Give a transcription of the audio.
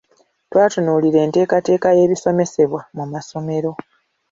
Twatunuulira enteekateeka y’ebisomesebwa mu masomero.